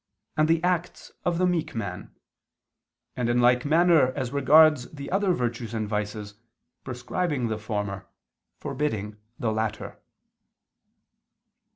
. and the acts of the meek man: and in like manner as regards the other virtues and vices, prescribing the former, forbidding the latter."